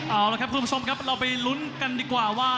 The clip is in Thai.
เอาละครับคุณผู้ชมครับเราไปลุ้นกันดีกว่าว่า